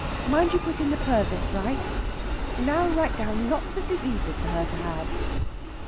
Mind you put in the Purvis right. Now write down lots of diseases for her to have."